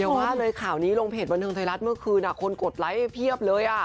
ว่าเลยข่าวนี้ลงเพจบันเทิงไทยรัฐเมื่อคืนคนกดไลค์เพียบเลย